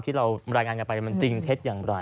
ที่เรารายงานกันไปมันจริงเท็จอย่างไร